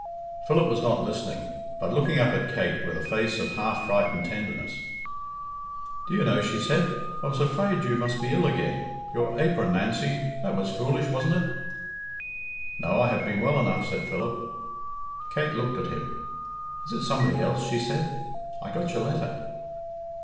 Philip was not listening, but looking up at Kate, with a face of half frightened tenderness. "Do you know," she said, "I was afraid you must be ill again your apron, Nancy that was foolish, wasn't it?" "No; I have been well enough," said Philip. Kate looked at him. "Is it somebody else?" she said. "I got your letter."